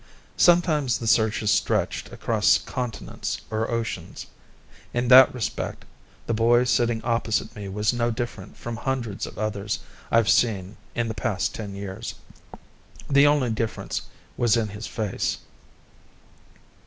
Sometimes the searches stretched across continents or oceans. In that respect the boy sitting opposite me was no different from hundreds of others I've seen in the past ten years. The only difference was in his face.